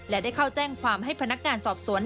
และได้เข้าแจ้งความให้พนักงานสอบสวน